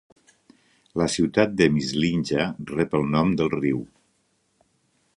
La ciutat de Mislinja rep el nom del riu.